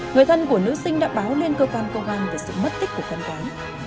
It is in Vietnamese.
người thân của nữ sinh đã báo lên cơ quan công an về sự mất tích của con gái